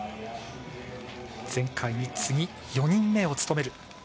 前回に次ぎ４人目を務める。